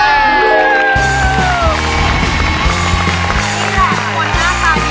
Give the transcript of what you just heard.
นี่แหละค่ะครับ